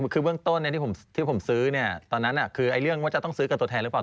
คือเบื้องต้นที่ผมซื้อตอนนั้นคือเรื่องว่าจะต้องซื้อกับตัวแทนหรือเปล่า